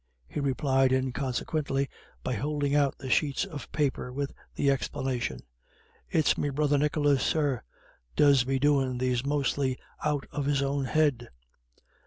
he replied inconsequently by holding out the sheets of paper with the explanation: "It's me brother, Nicholas, sir, does be doin' them mostly out of his own head."